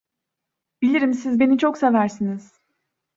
Bilirim siz beni çok seversiniz.